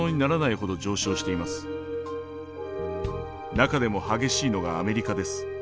中でも激しいのがアメリカです。